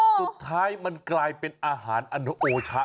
สุดท้ายมันกลายเป็นอาหารอนุโอชะ